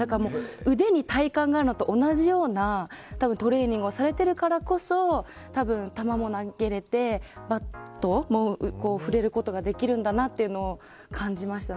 腕に体幹があるのと同じようなトレーニングをされているからこそたぶん球も投げれてバットも振れることができるんだなというのを感じました。